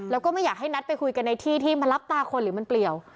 แล้วก็ไม่อยากให้นัดไปคุยกันในที่ที่มารับตาคนหรือมันเปลี่ยว